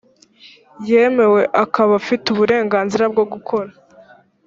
yemewe akaba afite uburenganzira bwo gukora